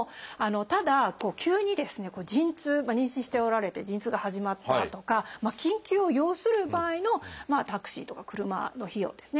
ただ急にですね陣痛妊娠しておられて陣痛が始まったとか緊急を要する場合のタクシーとか車の費用ですね。